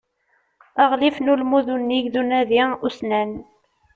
Aɣlif n ulmud unnig d unadi ussnan.